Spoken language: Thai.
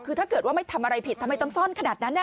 คือถ้าเกิดว่าไม่ทำอะไรผิดทำไมต้องซ่อนขนาดนั้น